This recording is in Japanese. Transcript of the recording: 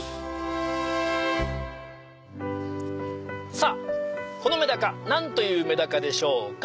さぁこのメダカ何と言うメダカでしょうか？